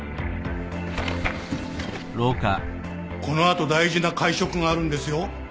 この後大事な会食があるんですよ。